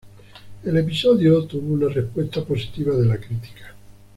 El episodio tuvo una respuesta positiva de la crítica.